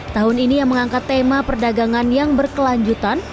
tahun ini yang mengangkat tema perdagangan yang berkelanjutan